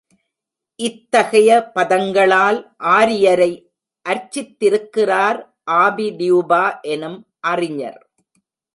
இத்தகைய பதங்களால் ஆரியரை அர்ச்சித்திருக்கிறார் ஆபி டியூபா எனும் அறிஞர்.